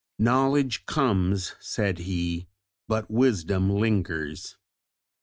"Knowledge comes," said he, "but wisdom lingers."